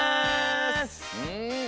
うん。